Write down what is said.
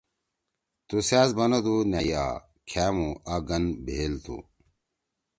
تُو سأز بنَدُو نأ یی آ، کھأمُو آ گن بھئیل تُھو